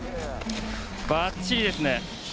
ばっちりですね。